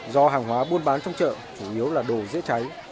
do hàng hóa buôn bán trong chợ chủ yếu là đồ dễ cháy